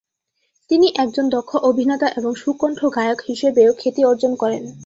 তিনি একজন দক্ষ অভিনেতা এবং সুকন্ঠ গায়ক হিসেবেও খ্যাতি অর্জন করেন।